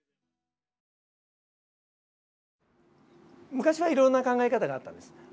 昔はいろいろな考え方があったんです。